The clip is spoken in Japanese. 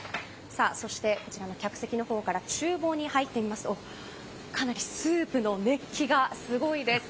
そして、こちらの客席の方から厨房に入ってみますとかなりスープの熱気がすごいです。